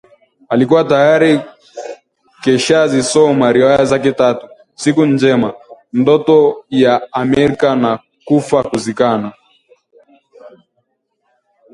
Alikuwa tayari keshazisoma riwaya zake tatu, Siku Njema, Ndoto ya Amerika na Kufa Kuzikana